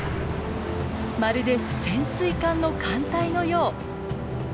まるで潜水艦の艦隊のよう。